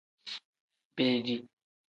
Bedi.